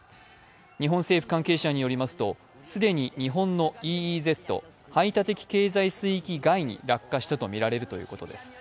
日本政府関係者によりますと、既に日本のＥＥＺ＝排他的経済水域外に落下したとみられるということです。